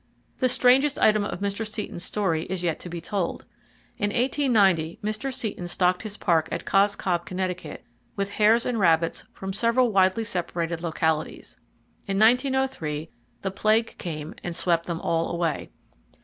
The strangest item of Mr. Seton's story is yet to be told. In 1890 Mr. Seton stocked his park at Cos Cob, Conn., with hares and rabbits from several widely separated localities. In 1903, the plague came and swept them all away.